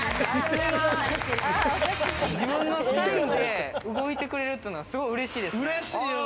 自分のサインで動いてくれるっていうのはすごく嬉しいですね。